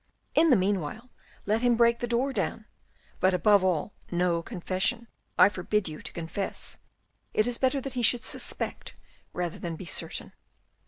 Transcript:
In the meanwhile let him break the door down. But above all, no confession, I forbid you to confess, it is better that he should suspect rather than be certain."